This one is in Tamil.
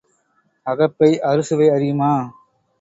அகப்பை அறுசுவை அறியுமா?